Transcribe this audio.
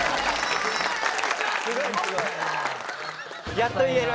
やっと言える。